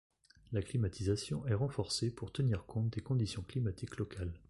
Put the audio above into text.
La climatisation est renforcée pour tenir compte des conditions climatiques locales.